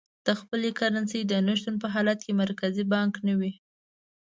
د خپلې کرنسۍ د نه شتون په حالت کې مرکزي بانک نه وي.